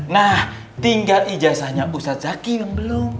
nah tinggal ijazahnya ustadz zaki yang belum